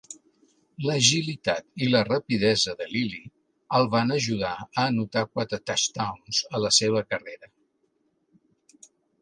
L'agilitat i la rapidesa de Lilly el van ajudar a anotar quatre touchdowns a la seva carrera.